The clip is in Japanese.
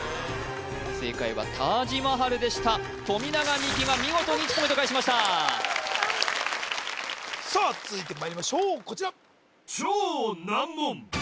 正解はタージ・マハルでした富永美樹が見事１ポイント返しましたさあ続いてまいりましょうこちら